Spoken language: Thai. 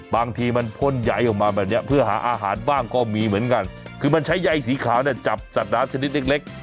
บางทีมันพ่นใยออกมาแบบนี้เพื่อหาอาหารบ้างก็มีเหมือนกันคือมันใช้ใยสีขาวเนี่ยจับสัตว์น้ำชนิดเล็กเล็ก